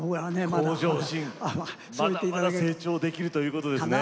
まだまだ成長できるということですね。